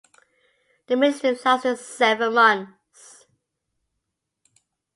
The ministry lasted seven months.